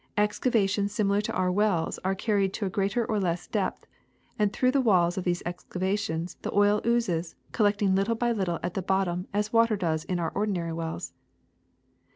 Excavations similar to our wells are carried to a greater or less depth, and through the walls of these excavations the oil oozes, collecting little by little at the bottom as water does in our ordinary wells.